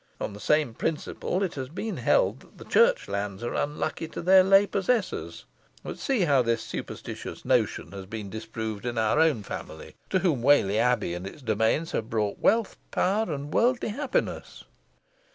On the same principle it has been held that church lands are unlucky to their lay possessors; but see how this superstitious notion has been disproved in our own family, to whom Whalley Abbey and its domains have brought wealth, power, and worldly happiness."